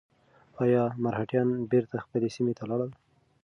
ایا مرهټیان بېرته خپلې سیمې ته لاړل؟